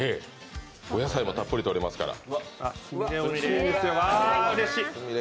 お野菜もたっぷりとれますから。